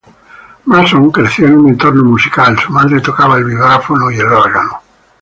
Mason creció en un entorno musical: su madre tocaba el vibráfono y el órgano.